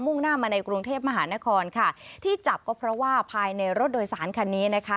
่งหน้ามาในกรุงเทพมหานครค่ะที่จับก็เพราะว่าภายในรถโดยสารคันนี้นะคะ